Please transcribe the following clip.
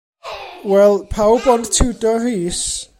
Wel, pawb ond Tiwdor Rees.